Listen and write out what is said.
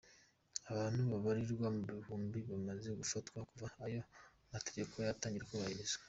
Abantu babarirwa mu bihumbi bamaze gufatwa kuva ayo mategeko yatangira kubahirizwa.